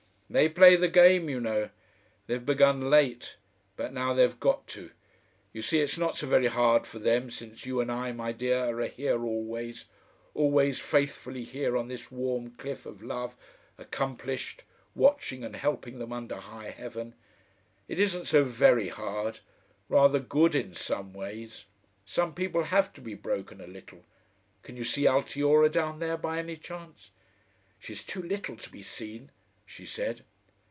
They play the game, you know. They've begun late, but now they've got to. You see it's not so very hard for them since you and I, my dear, are here always, always faithfully here on this warm cliff of love accomplished, watching and helping them under high heaven. It isn't so VERY hard. Rather good in some ways. Some people HAVE to be broken a little. Can you see Altiora down there, by any chance?" "She's too little to be seen," she said.